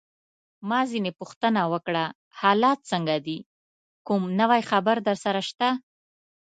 ما ځینې پوښتنه وکړه: حالات څنګه دي؟ کوم نوی خبر درسره شته؟